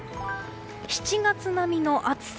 ７月並みの暑さ。